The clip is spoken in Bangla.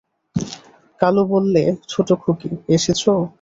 কালু বললে, ছোটোখুকি, এসেছ?